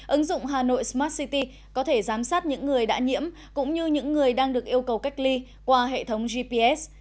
ứng dụng hà nội smart city có thể giám sát những người đã nhiễm cũng như những người đang được yêu cầu cách ly qua hệ thống gps